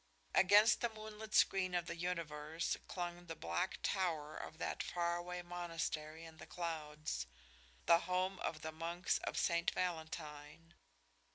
Against the moonlit screen of the universe clung the black tower of that faraway monastery in the clouds, the home of the monks of Saint Valentine.